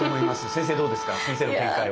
先生どうですか？